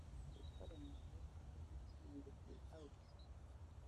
Ces trois dernières bornes étant aussi dédicacées à Auguste.